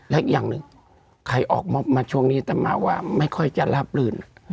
และอย่างนึงใครออกม็อบมาช่วงนี้แต่ไม่ค่อยจะรับหลื่น